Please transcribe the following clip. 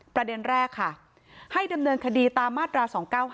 ประเด็นแรกค่ะให้ดำเนินคดีตามมาตรา๒๙๕